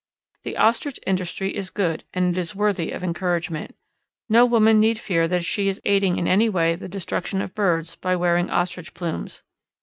The Ostrich industry is good and it is worthy of encouragement. No woman need fear that she is aiding in any way the destruction of birds by wearing Ostrich plumes.